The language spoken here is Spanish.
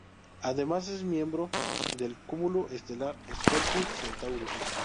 Además es miembro del cúmulo estelar Scorpius-Centaurus.